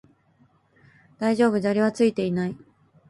大丈夫、砂利はついていない